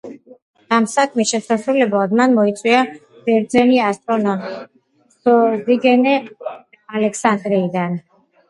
ამ საქმის შესასრულებლად მან მოიწვია ბერძენი ასტრონომი სოზიგენე ალექსანდრიიდან.